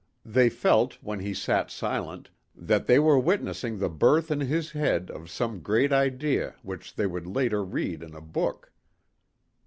They felt, when he sat silent, that they were witnessing the birth in his head of some great idea which they would later read in a book.